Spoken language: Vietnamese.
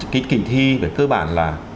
cái kỳ thi về cơ bản là